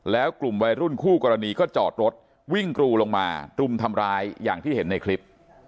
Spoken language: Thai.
แล้วกลุ่มวัยรุ่นคู่กรณีก็จอดรถวิ่งกรูลงมารุมทำร้ายอย่างที่เห็นในคลิป